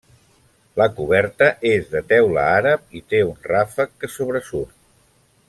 La coberta és de teula àrab i té un ràfec que sobresurt.